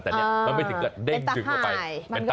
แต่เนี่ยมันไปถึงกันเด้งจึงออกไปเป็นตั๊กไฮ